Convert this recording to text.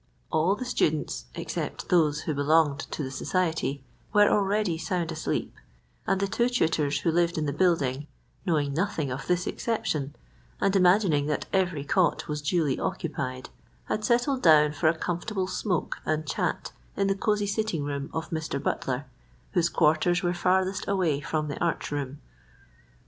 All the students, except those who belonged to the society, were already sound asleep, and the two tutors who lived in the building, knowing nothing of this exception, and imagining that every cot was duly occupied, had settled down for a comfortable smoke and chat in the cozy sitting room of Mr. Butler, whose quarters were farthest away from the arch room.